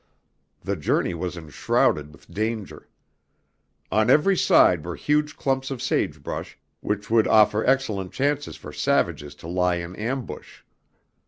The journey was enshrouded with danger. On every side were huge clumps of sage bush which would offer excellent chances for savages to lie in ambush.